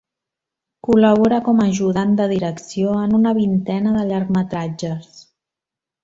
Col·labora com a ajudant de direcció en una vintena de llargmetratges.